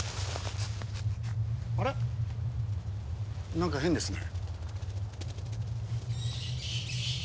なんか変ですね。